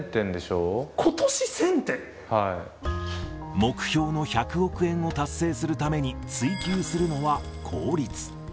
目標の１００億円を達成するために追求するのは効率。